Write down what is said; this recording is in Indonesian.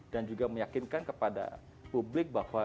dan juga meyakinkan kepada publik bahwa